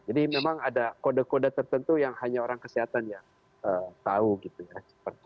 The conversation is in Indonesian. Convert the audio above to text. jadi memang ada kode kode tertentu yang hanya orang kesehatan yang tahu gitu ya